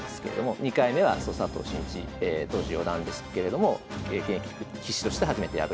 ２回目は佐藤慎一当時四段ですけれども現役棋士として初めて敗れた。